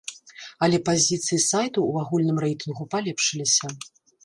Але пазіцыі сайтаў у агульным рэйтынгу палепшыліся.